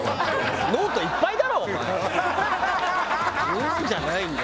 「うーん」じゃないんだよ。